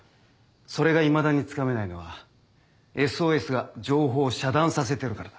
それがいまだにつかめないのは「ＳＯＳ」が情報を遮断させてるからだ。